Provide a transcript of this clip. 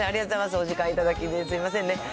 お時間頂き、すみませんね。